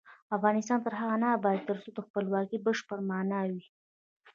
افغانستان تر هغو نه ابادیږي، ترڅو خپلواکي په بشپړه مانا وي.